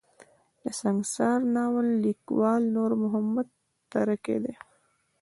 د سنګسار ناول ليکوال نور محمد تره کی دی.